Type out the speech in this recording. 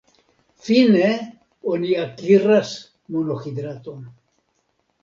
Fine oni akiras monohidraton.